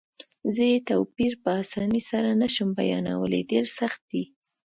زه یې توپیر په اسانۍ سره نه شم بیانولای، ډېر سخت دی.